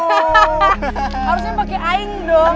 harusnya pake aing dong